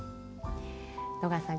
野川さん